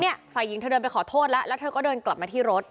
ฝ่ายหญิงเธอเดินไปขอโทษแล้วแล้วเธอก็เดินกลับมาที่รถ